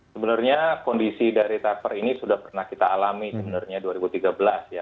sebenarnya kondisi dari taper ini sudah pernah kita alami sebenarnya dua ribu tiga belas ya